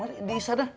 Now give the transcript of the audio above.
oh di sana